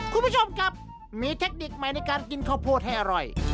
คุณผู้ชมครับมีเทคนิคใหม่ในการกินข้าวโพดให้อร่อย